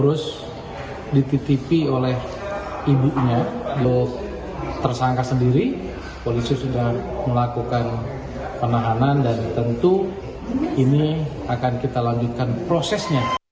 kondisi korban yang berada di dalam pengawasan polisi serta instansi terkait